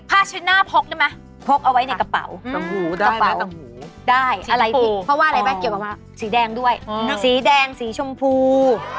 ผ้าชุดหน้าพกไหมค่ะพกเอาไว้ในกระเป๋าได้ว่าสีแดงด้วยสีชมพู